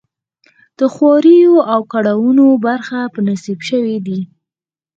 د خواریو او کړاوونو برخه په نصیب شوې ده.